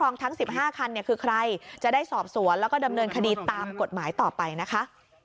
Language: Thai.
นี่คือใครจะได้สอบสวนแล้วก็ดำเนินคดีตามกฎหมายต่อไปนะคะ